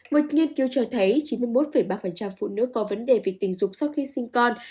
một nghiên cứu cho thấy chín mươi một ba phụ nữ có vấn đề về tình dục sau khi sinh con